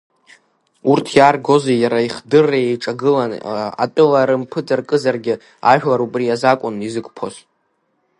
Урҭ иааргози иара ихдырреи еиҿагылан, атәыла рымпыҵаркызаргьы, ажәлар убри азакәын изықәԥоз.